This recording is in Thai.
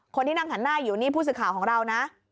คนที่นั่งหันหน้าอยู่นี่ผู้สื่อข่าวของเรานะ